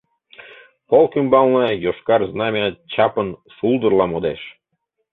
Полк ӱмбалне Йошкар знамя Чапын шулдырла модеш.